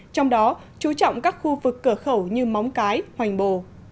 trong đó chú trọng các khu vực cửa khẩu như móng cái hoành bồ